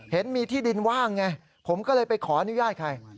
เห็นมีที่ดินว่างไงผมก็เลยไปขออนุญาตใคร